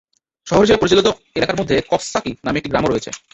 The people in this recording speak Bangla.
শহর হিসেবে পরিচালিত এলাকার মধ্যে কক্সসাকি নামে একটি গ্রামও রয়েছে।